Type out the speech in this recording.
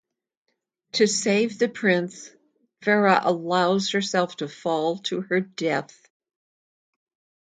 To save the Prince, Farah allows herself to fall to her death.